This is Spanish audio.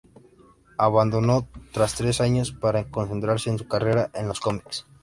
Abandonó tras tres años para concentrarse en su carrera en los comics.